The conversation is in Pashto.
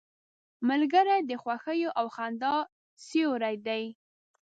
ملګری د خوښیو او خندا سیوری دی